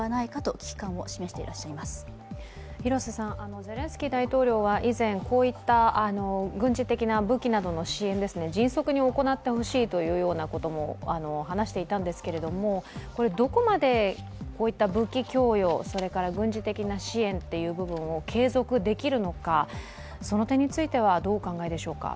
ゼレンスキー大統領は以前、こういった軍事的な武器などの支援を迅速に行ってほしいと話していたんですけど、どこまでこういった武器供与、それから軍事的な支援というのを継続できるのか、その点についてはどうお考えでしょうか？